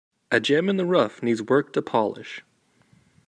A gem in the rough needs work to polish.